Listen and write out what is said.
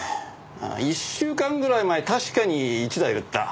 １週間ぐらい前確かに１台売った。